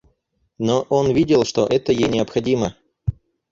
Но он видел, что это ей необходимо.